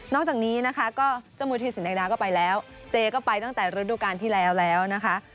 จากนี้นะคะก็เจ้ามือธีสินแดงดาก็ไปแล้วเจก็ไปตั้งแต่ฤดูการที่แล้วแล้วนะคะ